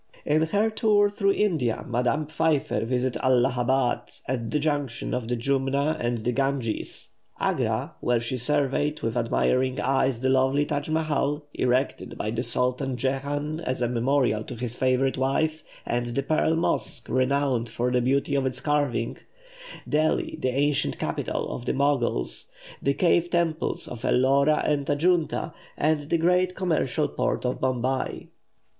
In her tour through India Madame Pfeiffer visited Allahabad, at the junction of the Jumna and the Ganges; Agra, where she surveyed with admiring eyes the lovely Taj Mahal, erected by the Sultan Jehan as a memorial to his favourite wife, and the Pearl Mosque, renowned for the beauty of its carving; Delhi, the ancient capital of the Moguls; the cave temples of Ellora and Ajunta, and the great commercial port of Bombay.